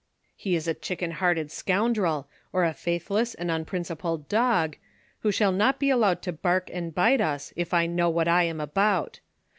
" He is a chicken hearted scoundrel, or a faithless and unprincipled dog, who shall not be allowed to bark and bite us, if I know what I am about.